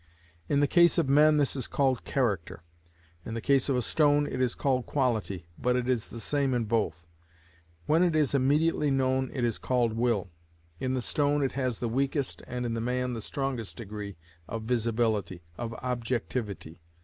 In the case of men this is called character; in the case of a stone it is called quality, but it is the same in both. When it is immediately known it is called will. In the stone it has the weakest, and in man the strongest degree of visibility, of objectivity.